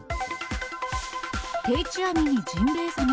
定置網にジンベエザメ。